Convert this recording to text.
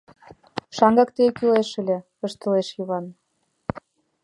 — Шаҥгак тыге кӱлеш ыле, — ышталеш Йыван...